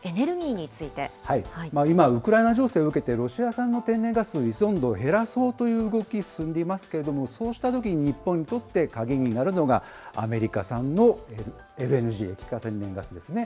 今、ウクライナ情勢を受けて、ロシア産の天然ガスの依存度を減らそうという動き、進んでいますけれども、そうしたときに日本にとって鍵になるのが、アメリカ産のＬＮＧ・液化天然ガスですね。